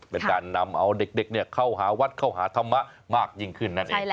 เป็นการนำเอาเด็กเข้าหาวัดเข้าหาธรรมะมากยิ่งขึ้นนั่นเอง